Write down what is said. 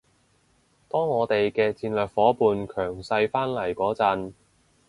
當我哋嘅戰略夥伴強勢返嚟嗰陣